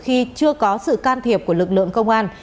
khi chưa có sự can thiệp của lực lượng công an